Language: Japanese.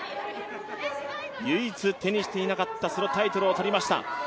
唯一、手にしていなかったタイトルを取りました。